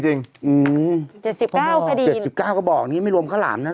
เจ็ดสิบเก้าคดีเจ็ดสิบเก้าก็บอกไม่รวมข้าวหลามนะ